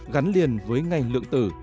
gắn liền với ngành lượng tử